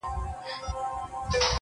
دا ته څنګه راپسې وې په تیاره کي؛